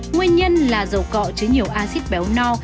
nguyên nhân là dầu cọ chứa nhiều acid béo no